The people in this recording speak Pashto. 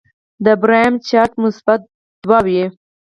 د باریم چارج به مثبت دوه وي.